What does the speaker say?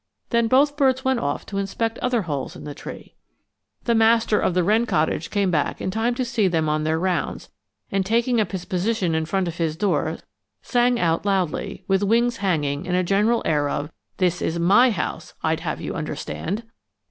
Then both birds went off to inspect other holes in the tree. The master of the wren cottage came back in time to see them on their rounds, and taking up his position in front of his door sang out loudly, with wings hanging and a general air of, "This is my house, I'd have you understand!"